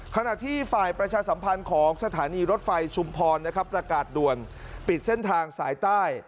ขณะที่ฝ่ายประชาสัมพันธ์ของสถานีรถไฟชุมพรนะครับประกาศด่วนปิดเส้นทางสายใต้